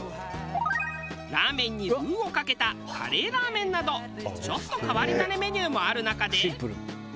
ラーメンにルーをかけたカレーラーメンなどちょっと変わり種メニューもある中で。